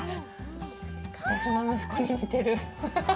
私の息子に似てる。